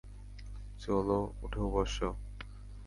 চলো, উঠে বসো।